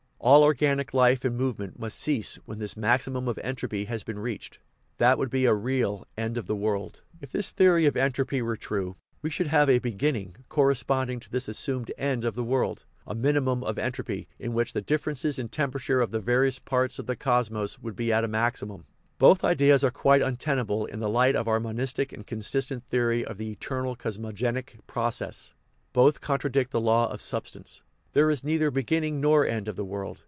All organic life and movement must cease when this maximum of entropy has been reached. That would be a real " end of the world." If this theory of entropy were true, we should have a " beginning " corresponding to this assumed "end" of the world a minimum of entropy, in which the dif ferences in temperature of the various parts of the cos mos would be at a maximum. Both ideas are quite untenable in the light of our monistic and consistent theory of the eternal cosmogenetic process; both con tradict the law of substance. There is neither begin ning nor end of the world.